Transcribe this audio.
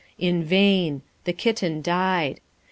In vain; the kitten died.